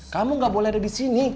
kamu gak boleh ada di sini